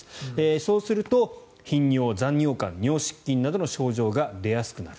そうすると頻尿、残尿感、尿失禁などの症状が出やすくなる。